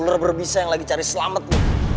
ulur berbisa yang lagi cari selamat lu